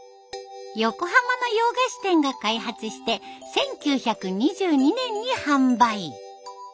横浜の洋菓子店が開発して１９２２年に販売。